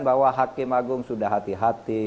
bahwa hakim agung sudah hati hati